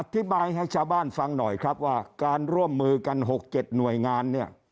อธิบายให้ชาวบ้านฟังหน่อยครับว่าการร่วมมือกัน๖๗หน่วยงานเนี่ย